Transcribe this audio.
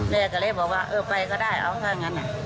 แม่กันเลยบอกว่าไปก็ได้อ่ะว่างั้น